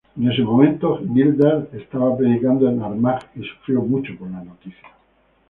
En ese momento, Gildas estaba predicando en Armagh y sufrió mucho por la noticia.